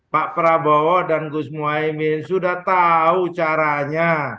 pak prabowo dan gus muhaymin sudah tahu caranya